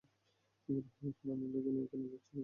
হারানো লেগুনে কেন যাচ্ছি আর কে ওরসনকে হারাতে সাহায্য করবে?